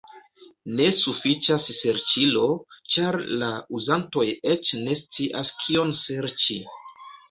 Ne sufiĉas serĉilo, ĉar la uzantoj eĉ ne scias kion serĉi.